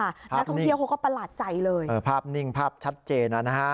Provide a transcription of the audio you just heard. นักท่องเที่ยวเขาก็ประหลาดใจเลยเออภาพนิ่งภาพชัดเจนนะฮะ